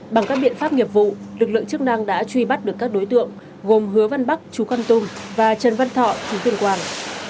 bằng các biện pháp nghiệp vụ lực lượng chức năng đã truy bắt được các đối tượng gồm hứa văn bắc chú con tum và trần văn thọ chú tuyên quang